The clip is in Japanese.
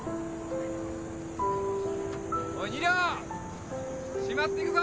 おい二寮締まっていくぞ！